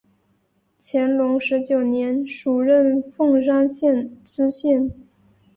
乾隆十九年署任凤山县知县。